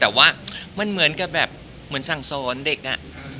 แต่ว่ามันเหมือนกับแบบเหมือนสั่งสอนเด็กอะ